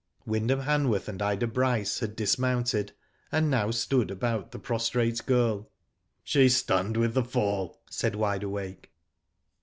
'* Wyndham Hanworth and Ida Bryce had dis mounted, and now stood about the prostrate girl. '^ She's stunned with the fall," said Wide Awake.